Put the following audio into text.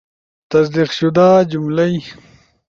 تصدیق شدہ جملئی